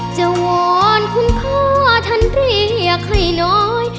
วอนคุณพ่อท่านเรียกให้น้อย